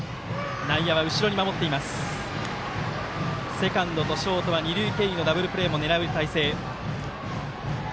セカンドとショートは二塁経由のダブルプレーも狙える態勢。